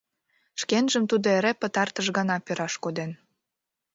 Шкенжым тудо эре пытартыш гана пераш коден.